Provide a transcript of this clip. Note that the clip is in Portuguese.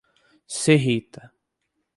Serrita